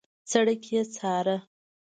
سړک يې څاره.